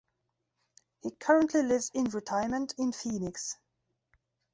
He currently lives in retirement in Phoenix.